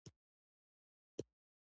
انا د لورینې سمندر ده